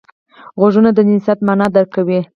غوږونه د نصیحت معنی درک کوي